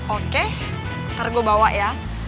oke ntar gue bawa ya